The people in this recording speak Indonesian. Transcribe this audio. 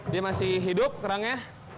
dia masih hidup kerangnya